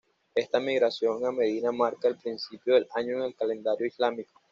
Esta migración a Medina marca el principio del año en el calendario islámico.